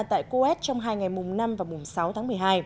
tại coes trong hai ngày mùng năm và mùng sáu tháng một mươi hai